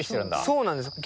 そうなんですよ。